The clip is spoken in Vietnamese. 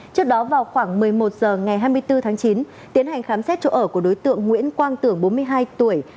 trước đó vào khoảng một mươi một h ngày hai mươi bốn tháng chín tiến hành khám xét chỗ ở của đối tượng nguyễn quang tưởng bốn mươi hai tuổi